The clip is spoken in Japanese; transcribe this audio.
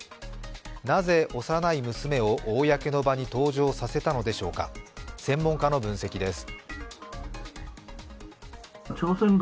なぜ幼い娘を公の場に登場させたのでしょうか、専門家の分析です。